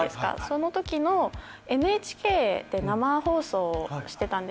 その時ＮＨＫで生放送をしてたんですよ。